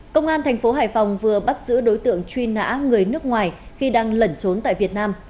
công an thành phố hải phòng vừa bắt giữ đối tượng truy nã người nước ngoài khi đang lẩn trốn tại việt nam